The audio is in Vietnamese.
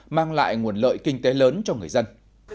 mang lại nguồn lợi kinh tế lớn cho người dân